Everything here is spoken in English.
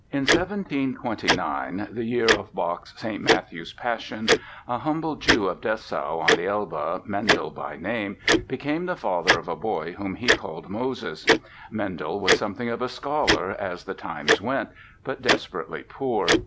PEYSER In 1729—the year of Bach's "St. Matthew Passion"—a humble Jew of Dessau on the Elbe, Mendel by name, became the father of a boy whom he called Moses. Mendel was something of a scholar as the times went, but desperately poor.